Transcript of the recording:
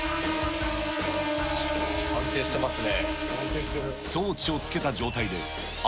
安定してますね。